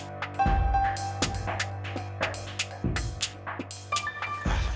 apa itu jam tangannya raya